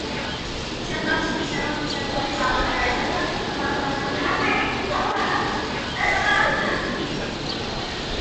შემდგომი ძალადობა გადაიზარდა ფართომასშტაბიან დაპირისპირებაში ხალხთა შორის.